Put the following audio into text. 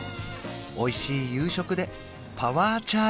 おいしい夕食でパワーチャージ